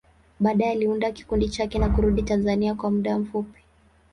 Baadaye, aliunda kikundi chake na kurudi Tanzania kwa muda mfupi.